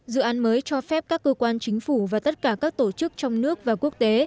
dự án mới cho phép các cơ quan chính phủ và tất cả các tổ chức trong nước và quốc tế